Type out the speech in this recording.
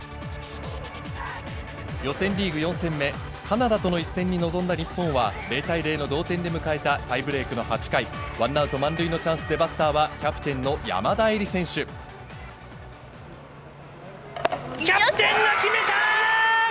予選リーグ４戦目、カナダとの一戦に臨んだ日本は、０対０の同点で迎えたタイブレークの８回、ワンアウト満塁のチャンスで、バッターはキャプテンの山田恵里キャプテンが決めたー！